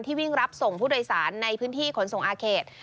วิ่งรับส่งผู้โดยสารในพื้นที่ขนส่งอาเขต